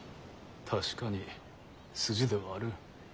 確かに筋ではある。